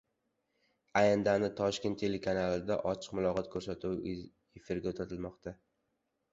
Ayni damda Toshkent telekanalida “Ochiq muloqot” koʻrsatuvi efirga uzatilmoqda.